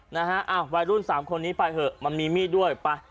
นะฮะอ้าววัยรุ่นสามคนนี้ไปเถอะมันมีมีดด้วยไป